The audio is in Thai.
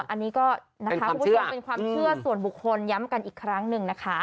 อันนี้ก็นะคะคุณผู้ชมเป็นความเชื่อส่วนบุคคลย้ำกันอีกครั้งหนึ่งนะคะ